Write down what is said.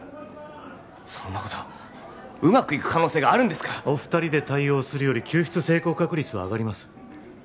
そんなことうまくいく可能性があるんですかお二人で対応するより救出成功確率は上がります